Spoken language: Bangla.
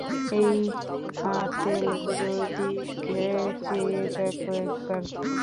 এই আঁতেলগুলোর দিকে চেয়ে দেখো একবার!